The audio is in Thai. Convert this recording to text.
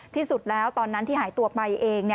ที่สุดแล้วตอนนั้นที่หายตัวไปเอง